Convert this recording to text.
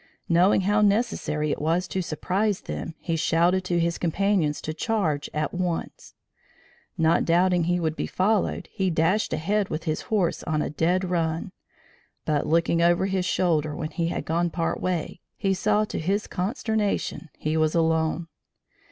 Knowing how necessary it was to surprise them he shouted to his companions to charge at once. Not doubting he would be followed, he dashed ahead with his horse on a dead run, but looking over his shoulder when he had gone part way, he saw to his consternation he was alone.